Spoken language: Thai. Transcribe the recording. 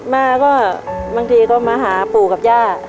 มาก็บางทีก็มาหาปู่กับย่า